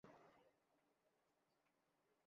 Max, আমার ব্যাপারে কী জানো?